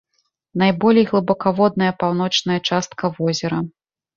Найболей глыбакаводная паўночная частка возера.